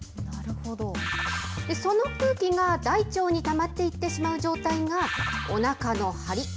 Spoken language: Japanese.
その空気が大腸にたまっていってしまう状態が、おなかの張り。